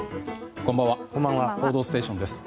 こんばんは「報道ステーション」です。